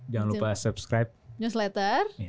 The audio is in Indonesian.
jangan lupa subscribe newsletter